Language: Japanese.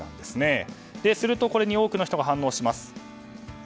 すると、これに多くの人が反応します。